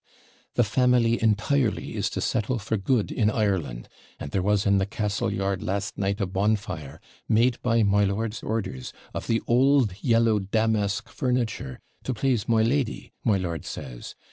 The family entirely is to settle for good in Ireland, and there was in the castle yard last night a bonfire made by my lord's orders of the ould yellow damask furniture, to plase my lady, my lord says.